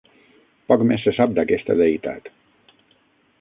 Poc més se sap d'aquesta deïtat.